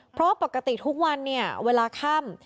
เพราะปกติทุกวันเนี่ยเวลาค่ำ